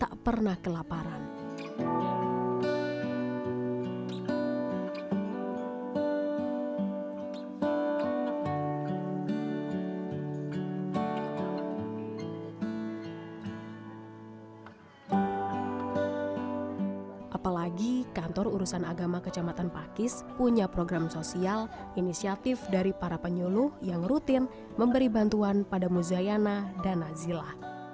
apalagi kantor urusan agama kecamatan pakis punya program sosial inisiatif dari para penyuluh yang rutin memberi bantuan padamu zayana dan nazila